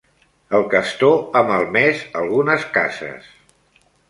El Castor ha malmès algunes cases